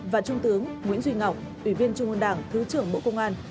và trung tướng nguyễn duy ngọc ủy viên trung ương đảng thứ trưởng bộ công an